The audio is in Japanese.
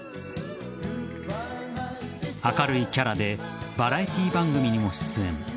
明るいキャラでバラエティー番組にも出演。